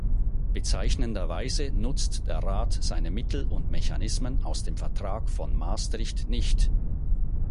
Bezeichnenderweise nutzt der Rat seine Mittel und Mechanismen aus dem Vertrag von Maastricht nicht.